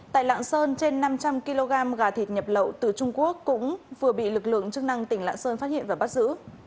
tại lạng sơn trên năm trăm linh kg gà thịt nhập lậu từ trung quốc cũng vừa bị lực lượng chức năng tỉnh lạng sơn phát hiện và bắt giữ